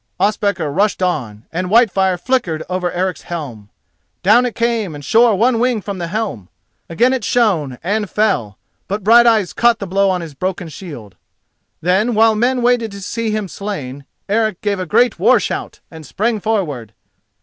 Ospakar rushed on, and Whitefire flickered over Eric's helm. Down it came and shore one wing from the helm. Again it shone and fell, but Brighteyes caught the blow on his broken shield. Then, while men waited to see him slain, Eric gave a great war shout and sprang forward.